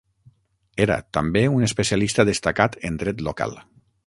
Era també un especialista destacat en dret local.